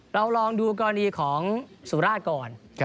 เราลองดูกรณีของสุราชก่อน